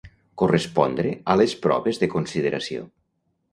Correspondre a les proves de consideració.